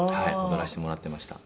踊らせてもらってました。